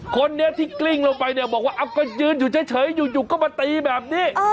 คนนี้ที่กลิ้งลงไปเนี่ยบอกว่าก็ยืนอยู่เฉยอยู่ก็มาตีแบบนี้